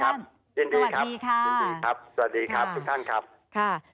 สวัสดีครับสวัสดีครับทุกท่านครับ